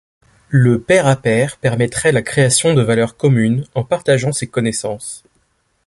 Le pair-à-pair permettrait la création de valeur commune en partageant ses connaissances.